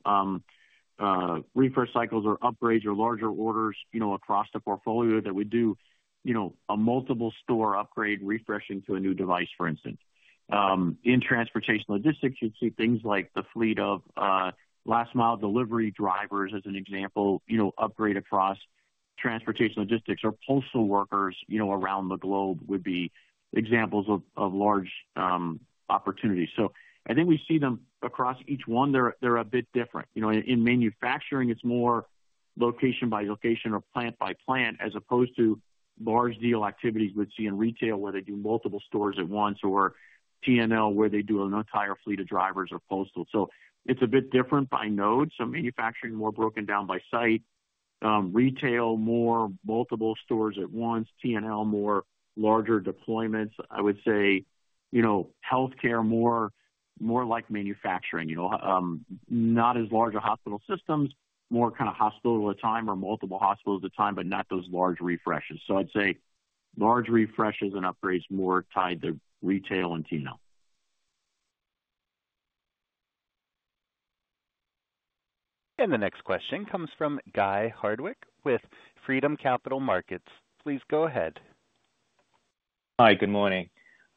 refresh cycles or upgrades or larger orders, you know, across the portfolio that would do, you know, a multiple store upgrade, refreshing to a new device, for instance. In transportation logistics, you'd see things like the fleet of last mile delivery drivers, as an example, you know, upgrade across transportation logistics or postal workers, you know, around the globe would be examples of large opportunities. So I think we see them across each one. They're a bit different. You know, in manufacturing, it's more location by location or plant by plant as opposed to large deal activities we'd see in retail where they do multiple stores at once or T&L where they do an entire fleet of drivers or postal. So it's a bit different by node. So manufacturing more broken down by site, retail more multiple stores at once, T&L more larger deployments. I would say, you know, healthcare more like manufacturing, you know, not as large a hospital systems, more kind of hospital at a time or multiple hospitals at a time, but not those large refreshes. So I'd say large refreshes and upgrades more tied to retail and T&L. The next question comes from Guy Hardwick with Freedom Capital Markets. Please go ahead. Hi. Good morning.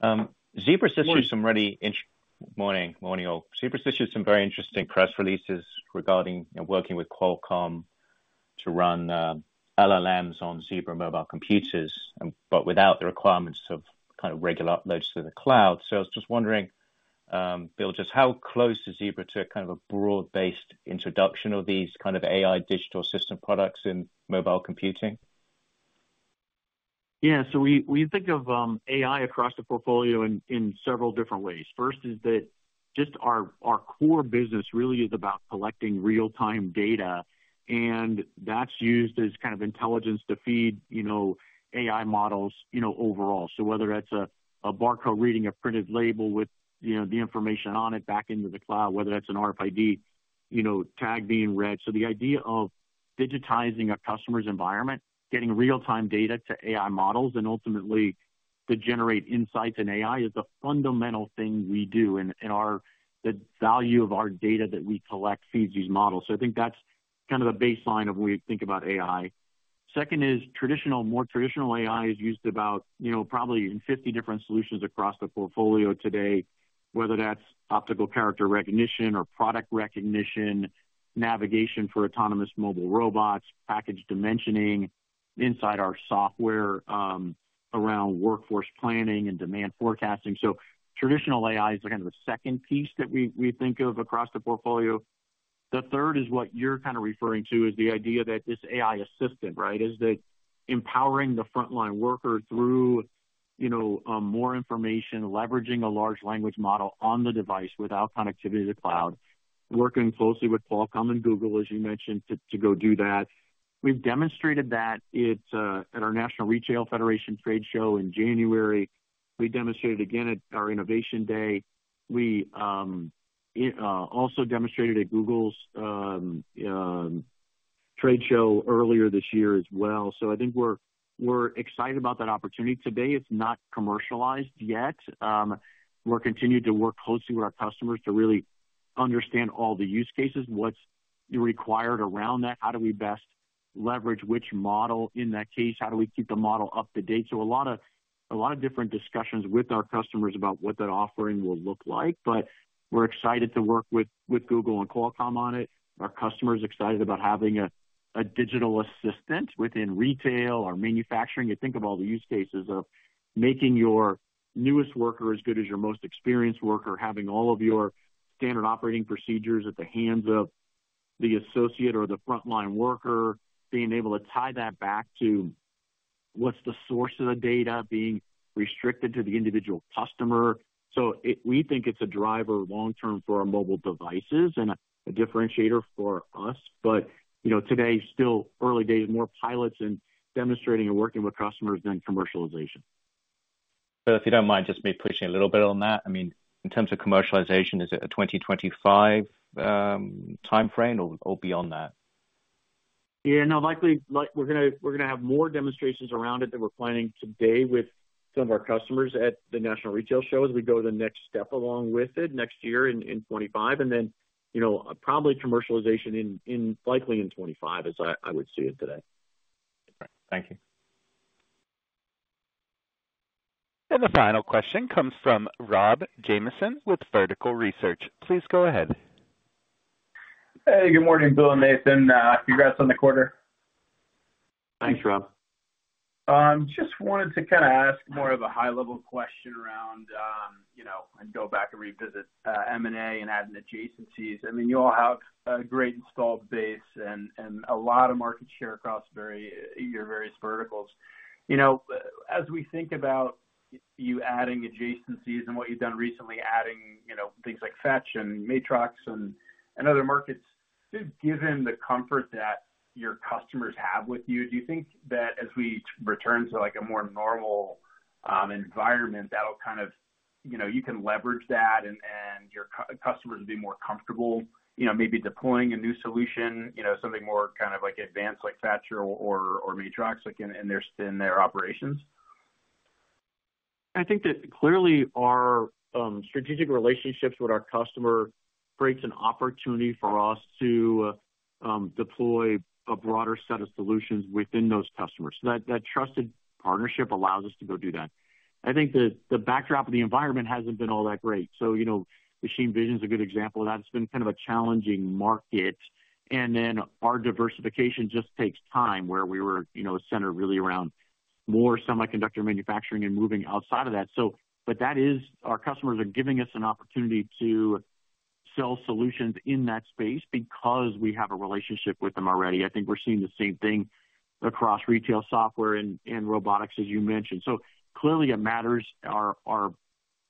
Zebra issued some very interesting press releases regarding working with Qualcomm to run LLMs on Zebra mobile computers, but without the requirements of kind of regular uploads to the cloud. So I was just wondering, Bill, just how close is Zebra to kind of a broad-based introduction of these kind of AI digital system products in mobile computing? Yeah. So we think of AI across the portfolio in several different ways. First is that just our core business really is about collecting real-time data. And that's used as kind of intelligence to feed, you know, AI models, you know, overall. So whether that's a barcode reading a printed label with, you know, the information on it back into the cloud, whether that's an RFID, you know, tag being read. So the idea of digitizing a customer's environment, getting real-time data to AI models and ultimately to generate insights in AI is a fundamental thing we do. And the value of our data that we collect feeds these models. So I think that's kind of the baseline of when we think about AI. Second is traditional, more traditional AI is used about, you know, probably in 50 different solutions across the portfolio today, whether that's optical character recognition or product recognition, navigation for autonomous mobile robots, package dimensioning inside our software around workforce planning and demand forecasting. So traditional AI is kind of the second piece that we think of across the portfolio. The third is what you're kind of referring to as the idea that this AI assistant, right, is that empowering the frontline worker through, you know, more information, leveraging a large language model on the device without connectivity to the cloud, working closely with Qualcomm and Google, as you mentioned, to go do that. We've demonstrated that at our National Retail Federation Trade Show in January. We demonstrated again at our Innovation Day. We also demonstrated at Google's trade show earlier this year as well. So I think we're excited about that opportunity. Today, it's not commercialized yet. We're continuing to work closely with our customers to really understand all the use cases, what's required around that, how do we best leverage which model in that case, how do we keep the model up to date. So a lot of different discussions with our customers about what that offering will look like. But we're excited to work with Google and Qualcomm on it. Our customer is excited about having a digital assistant within retail or manufacturing. You think of all the use cases of making your newest worker as good as your most experienced worker, having all of your standard operating procedures at the hands of the associate or the frontline worker, being able to tie that back to what's the source of the data being restricted to the individual customer. So we think it's a driver long-term for our mobile devices and a differentiator for us. But, you know, today, still early days, more pilots and demonstrating and working with customers than commercialization. If you don't mind, just me pushing a little bit on that. I mean, in terms of commercialization, is it a 2025 timeframe or beyond that? Yeah. No, likely we're going to have more demonstrations around it that we're planning today with some of our customers at the National Retail Show as we go to the next step along with it next year in 2025. And then, you know, probably commercialization in likely in 2025 is I would see it today. All right. Thank you. The final question comes from Rob Jamieson with Vertical Research. Please go ahead. Hey, good morning, Bill and Nathan. Congrats on the quarter. Thanks, Rob. Just wanted to kind of ask more of a high-level question around, you know, and go back and revisit M&A and adding adjacencies. I mean, you all have a great installed base and a lot of market share across your various verticals. You know, as we think about you adding adjacencies and what you've done recently, adding, you know, things like Fetch and Matrox and other markets, just given the comfort that your customers have with you, do you think that as we return to like a more normal environment, that'll kind of, you know, you can leverage that and your customers will be more comfortable, you know, maybe deploying a new solution, you know, something more kind of like advanced like Fetch or Matrox in their operations? I think that clearly our strategic relationships with our customer creates an opportunity for us to deploy a broader set of solutions within those customers. So that trusted partnership allows us to go do that. I think the backdrop of the environment hasn't been all that great. So, you know, Machine Vision is a good example of that. It's been kind of a challenging market. And then our diversification just takes time where we were, you know, centered really around more semiconductor manufacturing and moving outside of that. So, but that is our customers are giving us an opportunity to sell solutions in that space because we have a relationship with them already. I think we're seeing the same thing across retail software and robotics, as you mentioned. So clearly it matters our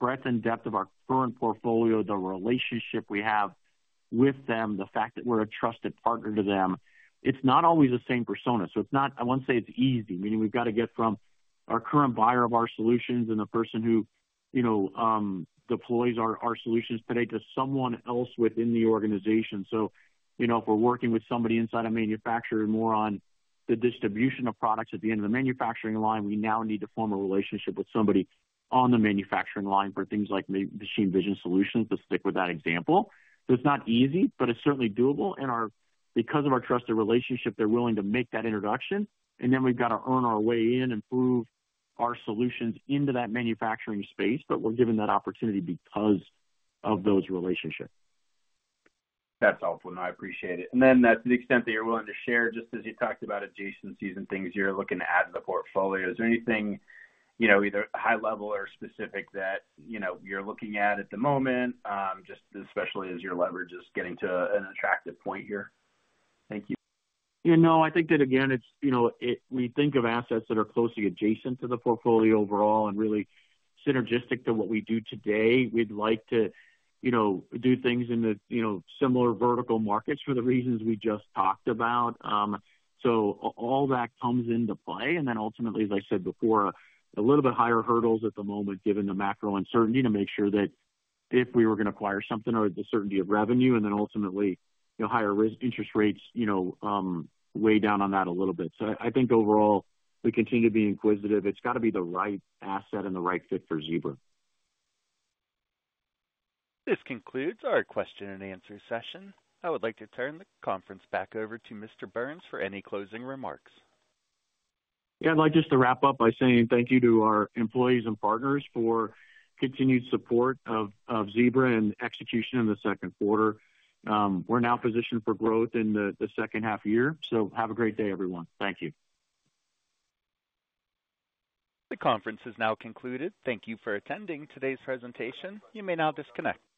breadth and depth of our current portfolio, the relationship we have with them, the fact that we're a trusted partner to them. It's not always the same persona. So it's not, I won't say it's easy, meaning we've got to get from our current buyer of our solutions and the person who, you know, deploys our solutions today to someone else within the organization. So, you know, if we're working with somebody inside a manufacturer more on the distribution of products at the end of the manufacturing line, we now need to form a relationship with somebody on the manufacturing line for things like Machine Vision solutions to stick with that example. So it's not easy, but it's certainly doable. And because of our trusted relationship, they're willing to make that introduction. And then we've got to earn our way in and prove our solutions into that manufacturing space, but we're given that opportunity because of those relationships. That's helpful. No, I appreciate it. Then to the extent that you're willing to share, just as you talked about adjacencies and things you're looking to add to the portfolio, is there anything, you know, either high level or specific that, you know, you're looking at at the moment, just especially as your leverage is getting to an attractive point here? Thank you. You know, I think that again, it's, you know, we think of assets that are closely adjacent to the portfolio overall and really synergistic to what we do today. We'd like to, you know, do things in the, you know, similar vertical markets for the reasons we just talked about. So all that comes into play. And then ultimately, as I said before, a little bit higher hurdles at the moment given the macro uncertainty to make sure that if we were going to acquire something or the certainty of revenue and then ultimately, you know, higher risk interest rates, you know, weigh down on that a little bit. So I think overall we continue to be inquisitive. It's got to be the right asset and the right fit for Zebra. This concludes our question and answer session. I would like to turn the conference back over to Mr. Burns for any closing remarks. Yeah. I'd like just to wrap up by saying thank you to our employees and partners for continued support of Zebra and execution in the second quarter. We're now positioned for growth in the second half year. So have a great day, everyone. Thank you. The conference has now concluded. Thank you for attending today's presentation. You may now disconnect.